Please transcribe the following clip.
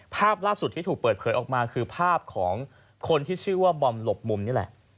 ภาพล่าสุดที่ถูกเปิดเผยออกมาคือภาพของคนที่ชื่อว่าบอมหลบมุมนี่แหละ